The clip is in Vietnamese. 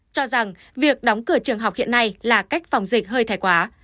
cho rằng việc đóng cửa trường học hiện nay là cách phòng dịch hơi thẻ quá